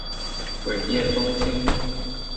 尾叶冬青